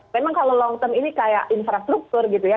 memang kalau long term ini kayak infrastruktur gitu ya